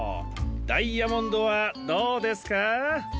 ダイヤモンドはどうですかー？